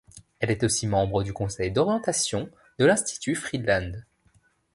Elle est aussi membre du Conseil d'orientation de l'Institut Friedland.